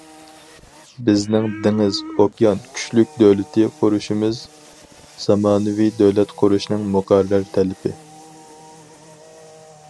بىزنىڭ دېڭىز- ئوكيان كۈچلۈك دۆلىتى قۇرۇشىمىز زامانىۋى دۆلەت قۇرۇشنىڭ مۇقەررەر تەلىپى.